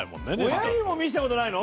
親にも見せた事ないの？